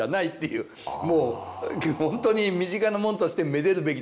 もう本当に身近なもんとしてめでるべきだ。